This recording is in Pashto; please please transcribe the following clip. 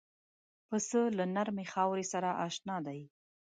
پسه له نرمې خاورې سره اشنا دی.